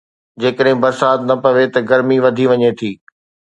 جيڪڏهن برسات نه پوي ته گرمي وڌي وڃي ٿي.